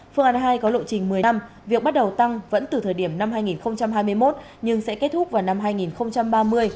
phương án hai có lộ trình một mươi năm việc bắt đầu tăng vẫn từ thời điểm năm hai nghìn hai mươi một nhưng sẽ kết thúc vào năm hai nghìn ba mươi